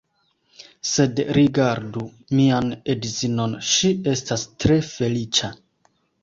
Sed, rigardu mian edzinon, ŝi estas tre feliĉa.